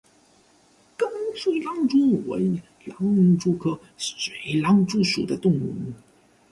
弓水狼蛛为狼蛛科水狼蛛属的动物。